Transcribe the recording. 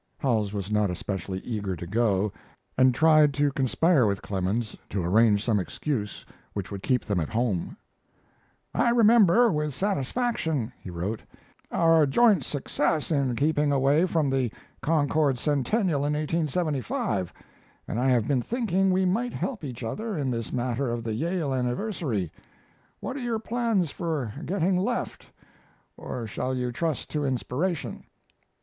Howells was not especially eager to go, and tried to conspire with Clemens to arrange some excuse which would keep them at home. I remember with satisfaction [he wrote] our joint success in keeping away from the Concord Centennial in 1875, and I have been thinking we might help each other in this matter of the Yale Anniversary. What are your plans for getting left, or shall you trust to inspiration?